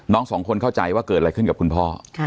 สองคนเข้าใจว่าเกิดอะไรขึ้นกับคุณพ่อ